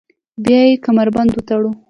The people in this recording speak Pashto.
بیا یې کمربند وتړلو.